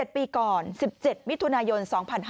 ๑๗ปีก่อน๑๗วิทยุนายน๒๕๔๕